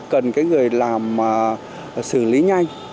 cần cái người làm xử lý nhanh